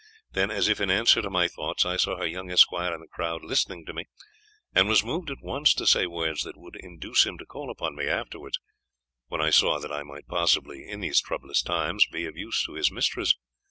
Then, as if in answer to my thoughts, I saw her young esquire in the crowd listening to me, and was moved at once to say words that would induce him to call upon me afterwards, when I saw that I might possibly in these troublous times be of use to his mistress.